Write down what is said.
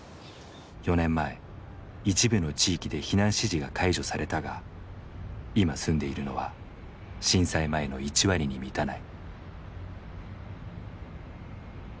４年前一部の地域で避難指示が解除されたが今住んでいるのは震災前の１割に満たない。